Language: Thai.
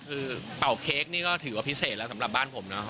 คือเป่าเค้กนี่ก็ถือว่าพิเศษแล้วสำหรับบ้านผมนะครับ